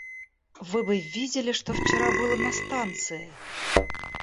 Вы бы видели, что вчера было на станции!